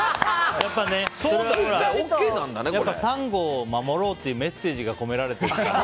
やっぱりサンゴを守ろうってメッセージが込められてるから。